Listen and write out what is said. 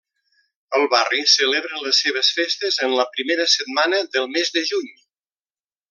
El barri celebra les seves festes en la primera setmana del mes de juny.